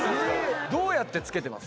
どうやってつけてます？